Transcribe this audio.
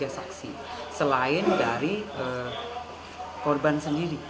tiga saksi selain dari korban sendiri